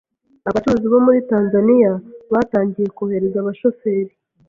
abacuruzi bo muri Tanzania batangiye kohereza abashoferi